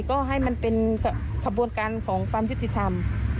ก็ให้มันเป็นขบวนการของความยุติธรรม